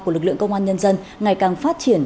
của lực lượng công an nhân dân ngày càng phát triển